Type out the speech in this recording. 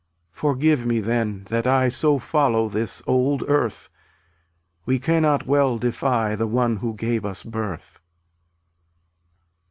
Forgive me, then, that I So follow this old earth; We cannot well defy The one who gave us birth.